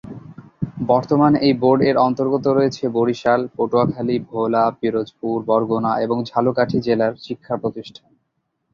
বর্তমানে এই বোর্ড-এর অন্তর্গত রয়েছে বরিশাল, পটুয়াখালী, ভোলা, পিরোজপুর, বরগুনা এবং ঝালকাঠি জেলার শিক্ষাপ্রতিষ্ঠান।